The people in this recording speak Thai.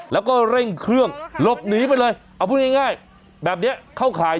แล้วก็เร่งเครื่องหลบหนีไปเลยเอาพูดง่ายแบบนี้เข้าข่าย